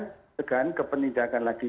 pencegahan ke penindakan lagi